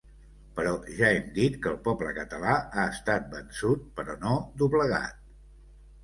Però ja hem dit que el poble català ha estat vençut però no doblegat.